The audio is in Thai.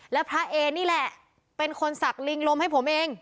แล้วพระเอนี่แหละเป็นคนสักลิงลมให้ผมเอง